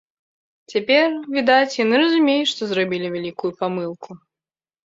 Цяпер, відаць, яны разумеюць, што зрабілі вялікую памылку.